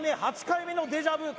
８回目のデジャビュ